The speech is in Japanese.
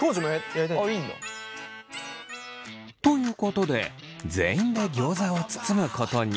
ということで全員でギョーザを包むことに。